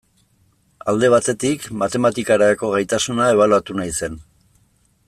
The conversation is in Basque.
Alde batetik, matematikarako gaitasuna ebaluatu nahi zen.